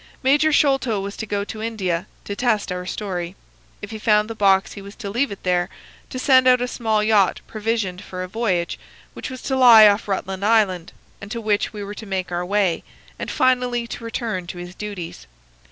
Major Sholto was to go to India to test our story. If he found the box he was to leave it there, to send out a small yacht provisioned for a voyage, which was to lie off Rutland Island, and to which we were to make our way, and finally to return to his duties.